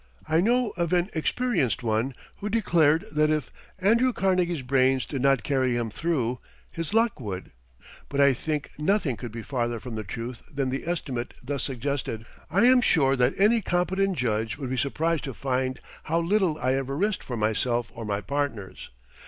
I know of an experienced one who declared that if "Andrew Carnegie's brains did not carry him through his luck would." But I think nothing could be farther from the truth than the estimate thus suggested. I am sure that any competent judge would be surprised to find how little I ever risked for myself or my partners.